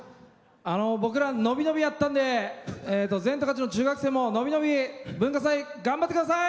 僕ら、伸び伸びやったんでみんなも伸び伸び文化祭、頑張ってください！